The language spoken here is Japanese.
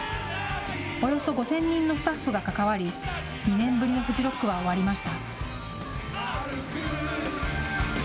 およそ５０００人のスタッフが関わり、２年ぶりのフジロックは終わりました。